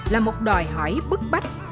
là một đòi hỏi bức bách